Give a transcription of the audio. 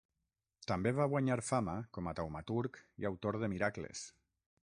També va guanyar fama com a taumaturg i autor de miracles.